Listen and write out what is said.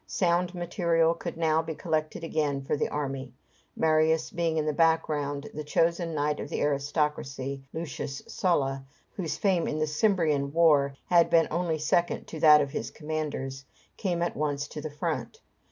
Sound material could now be collected again for the army. Marius being in the background, the chosen knight of the aristocracy, Lucius Sulla, whose fame in the Cimbrian war had been only second to that of his commander's, came at once to the front.